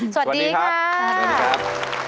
สวัสดีครับ